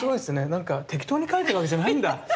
なんか適当にかいてるわけじゃないんだ。